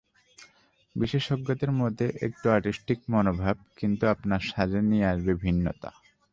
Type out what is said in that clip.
বিশেষজ্ঞদের মতে একটু আর্টিস্টিক মনোভাব কিন্তু আপনার সাজে নিয়ে আসবে ভিন্নতা।